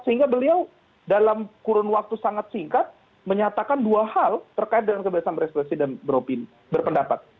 sehingga beliau dalam kurun waktu sangat singkat menyatakan dua hal terkait dengan kebebasan berekspresi dan berpendapat